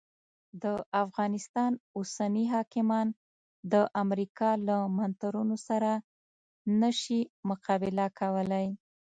د افغانستان اوسني حاکمان د امریکا له منترونو سره نه سي مقابله کولای.